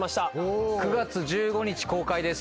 ９月１５日公開です。